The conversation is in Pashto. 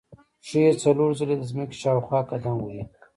پښې څلور ځلې د ځمکې شاوخوا قدم وهي.